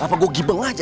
apa gue gibeng aja